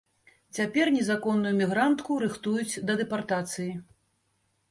Цяпер незаконную мігрантку рыхтуюць да дэпартацыі.